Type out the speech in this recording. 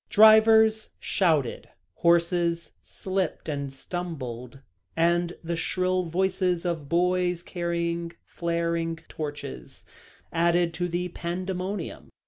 Drivers shouted, horses slipped and stumbled; and the shrill voices of boys carrying flaring torches, added to the pandemonium.